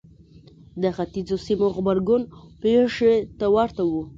د ختیځو سیمو غبرګون پېښې ته ورته و.